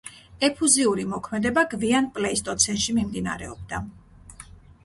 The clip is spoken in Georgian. ეფუზიური მოქმედება გვიან პლეისტოცენში მიმდინარეობდა.